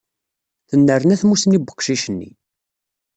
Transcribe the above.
Tennerna tmussni n weqcic-nni.